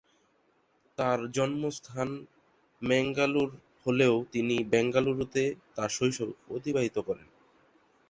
তাঁর জন্মস্থান ম্যাঙ্গালোর হলেও তিনি বেঙ্গালুরুতে তাঁর শৈশব অতিবাহিত করেছেন।